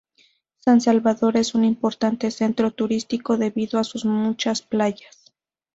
San Salvador es un importante centro turístico debido a sus muchas playas.